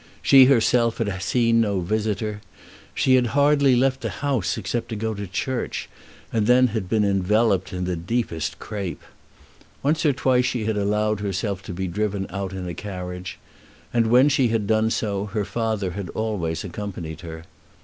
She herself had seen no visitor. She had hardly left the house except to go to church, and then had been enveloped in the deepest crape. Once or twice she had allowed herself to be driven out in a carriage, and, when she had done so, her father had always accompanied her.